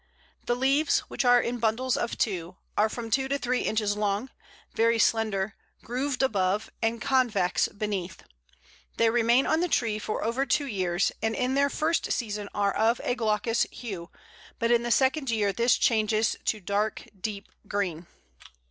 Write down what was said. The leaves, which are in bundles of two, are from two to three inches long, very slender, grooved above and convex beneath. They remain on the tree for over two years, and in their first season are of a glaucous hue, but in the second year this changes to dark deep green.